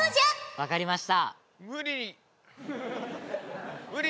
分かりました。